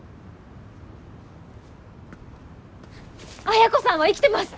綾子さんは生きてます。